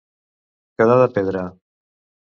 Quedar de pedra.